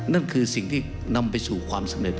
นั่นคือสิ่งที่นำไปสู่ความสำเร็จ